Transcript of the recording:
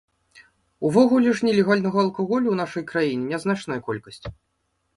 Увогуле ж, нелегальнага алкаголю ў нашай краіне нязначная колькасць.